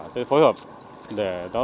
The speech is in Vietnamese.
sẽ phối hợp để nó